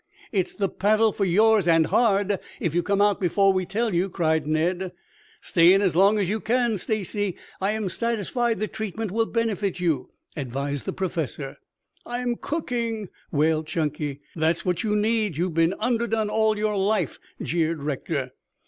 "It's the paddle for yours, and hard, if you come out before we tell you," cried Ned. "Stay in as long as you can, Stacy. I am satisfied the treatment will benefit you," advised the Professor. "I'm cooking," wailed Chunky. "That's what you need. You've been underdone all your life," jeered Rector.